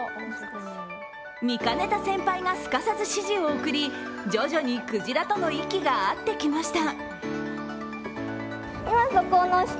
見かねた先輩がすかさず指示を送り徐々にクジラとの息が合ってきました。